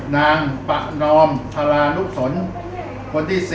๓นางป่านอมทรานุ้กสล